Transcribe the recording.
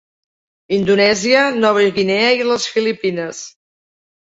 Indonèsia, Nova Guinea i les Filipines.